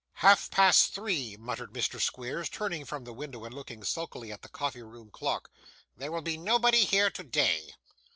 'Half past three,' muttered Mr. Squeers, turning from the window, and looking sulkily at the coffee room clock. 'There will be nobody here today.